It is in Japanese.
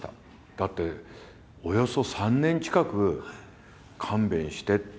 だっておよそ３年近く「勘弁して」って。